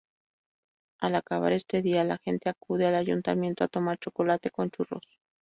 Al acabar este día, la gente acude al Ayuntamiento a tomar chocolate con churros.